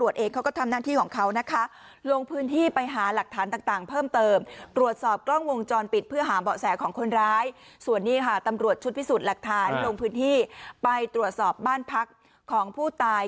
ชุดพิสูจน์หลักฐานลงพื้นที่ไปตรวจสอบบ้านพักของผู้ตาย